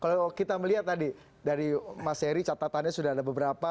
kalau kita melihat tadi dari mas heri catatannya sudah ada beberapa